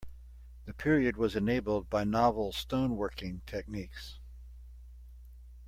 The period was enabled by novel stone working techniques.